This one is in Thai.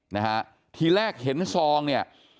นะฮะทีแรกเห็นซองเนี่ย